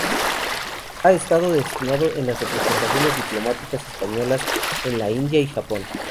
Ha estado destinado en las representaciones diplomáticas españolas en la India y Japón.